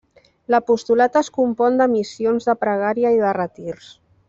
L'apostolat es compon de missions de pregària i de retirs.